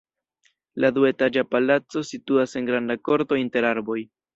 La duetaĝa palaco situas en granda korto inter arboj.